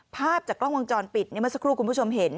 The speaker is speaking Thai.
ภาพจากกล้องวงจรปิดเมื่อสักครู่คุณผู้ชมเห็น